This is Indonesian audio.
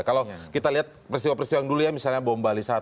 kalau kita lihat peristiwa peristiwa yang dulu ya misalnya bom bali satu